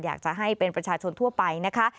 อยากจะให้เป็นประชาชนทั่วไปนะคะ